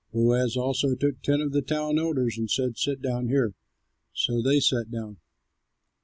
Boaz also took ten of the town elders and said, "Sit down here." So they sat down.